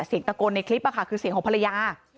เสียงตะโกนในคลิปคือเสียงของภรรยา